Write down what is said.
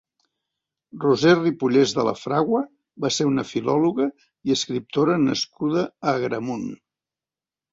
Roser Ripollés de la Fragua va ser una filòloga i escriptora nascuda a Agramunt.